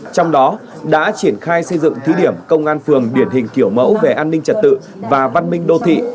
trong đó đã triển khai xây dựng thí điểm công an phường điển hình kiểu mẫu về an ninh trật tự và văn minh đô thị